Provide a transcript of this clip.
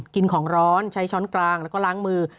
กินของร้อนใช้ช้อนกลางแล้วก็ล้างมือ